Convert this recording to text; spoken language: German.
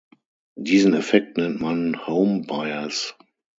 Diesen Effekt nennt man „Home Bias“.